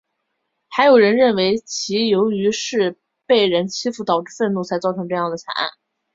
还有人认为其是由于被人欺负导致愤怒才造成这样的惨案。